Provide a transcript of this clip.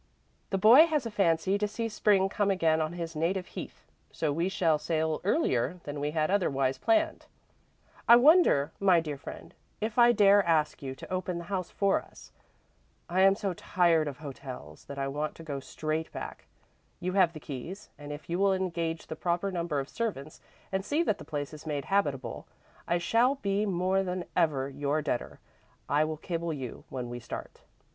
The boy has a fancy to see Spring come again on his native heath, so we shall sail earlier than we had otherwise planned. "'I wonder, my dear friend, if I dare ask you to open the house for us? I am so tired of hotels that I want to go straight back. You have the keys and if you will engage the proper number of servants and see that the place is made habitable, I shall be more than ever your debtor. I will cable you when we start.